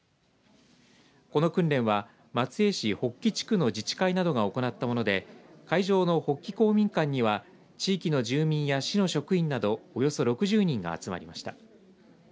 この訓練は松江市法吉地区の自治会などが行ったもので会場の法吉公民館には地域の住民や市の職員などおよそ６０人が集まりました。